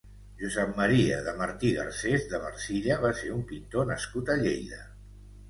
Josep Maria de Martí Garcés de Marcilla va ser un pintor nascut a Lleida.